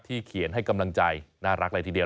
เขียนให้กำลังใจน่ารักเลยทีเดียว